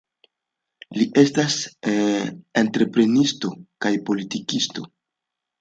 Li estas entreprenisto kaj politikisto.